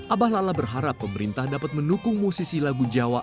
abah lala berharap pemerintah dapat mendukung musisi lagu jawa